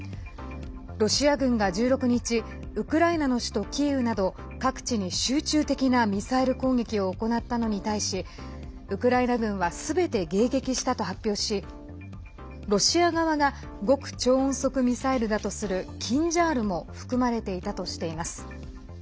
ロシア軍が１６日ウクライナの首都キーウなど各地に集中的なミサイル攻撃を行ったのに対しウクライナ軍はすべて迎撃したと発表しロシア側が極超音速ミサイルだとする「キンジャール」も含まれていたとしています。